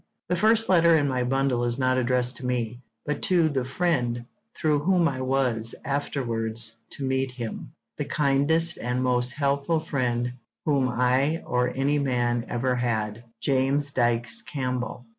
The first letter in my bundle is not addressed to me, but to the friend through whom I was afterwards to meet him, the kindest and most helpful friend whom I or any man ever had, James Dykes Campbell.